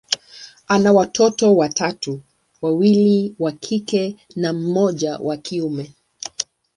ana watoto watatu, wawili wa kike na mmoja wa kiume.